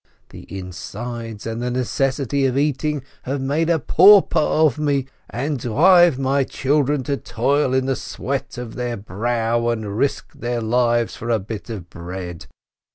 The insides and the neces sity of eating have made a pauper of me, and drive my children to toil in the sweat of their brow and risk their lives for a bit of bread!